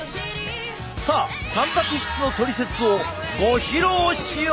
さあたんぱく質のトリセツをご披露しよう！